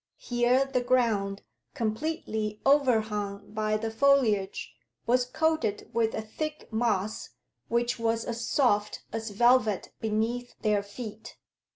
Here the ground, completely overhung by the foliage, was coated with a thick moss which was as soft as velvet beneath their feet.